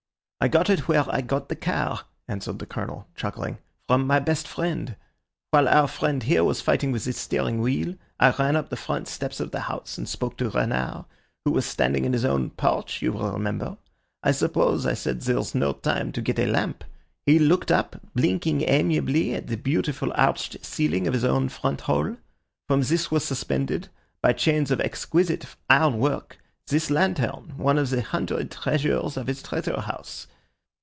"I got it where I got the car," answered the Colonel, chuckling, "from my best friend. While our friend here was fighting with the steering wheel, I ran up the front steps of the house and spoke to Renard, who was standing in his own porch, you will remember. 'I suppose,' I said, 'there's no time to get a lamp.' He looked up, blinking amiably at the beautiful arched ceiling of his own front hall. From this was suspended, by chains of exquisite ironwork, this lantern, one of the hundred treasures of his treasure house.